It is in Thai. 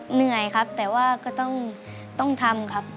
เหนื่อยครับแต่ว่าก็ต้องทำครับ